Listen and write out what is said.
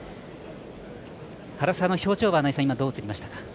原沢の表情は今、どう映りましたか？